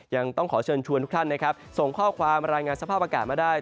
ยังต้องขอเชิญชวนทุกท่านนะครับส่งข้อความรายงานสภาพอากาศมาได้